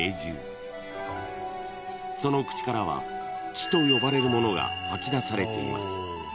［その口からは気と呼ばれるものが吐き出されています］